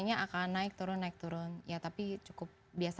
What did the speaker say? jadi akses dari loa jadi stupid